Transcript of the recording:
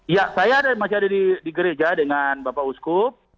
ya saya masih ada di gereja dengan bapak uskup